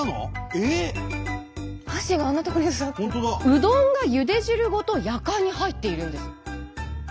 うどんがゆで汁ごとやかんに入っているんです。